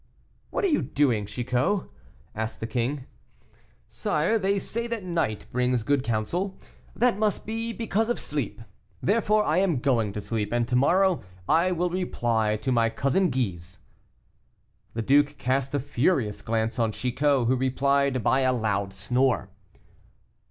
"What are you doing, Chicot?" asked the king. "Sire, they say that night brings good counsel; that must be because of sleep; therefore I am going to sleep, and to morrow I will reply to my cousin Guise." The duke cast a furious glance on Chicot, who replied by a loud snore.